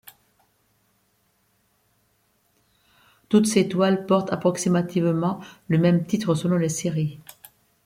Toutes ses toiles portent approximativement le même titre selon les séries.